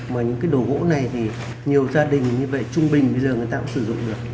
mà những cái đồ gỗ này thì nhiều gia đình như vậy trung bình bây giờ người ta cũng sử dụng được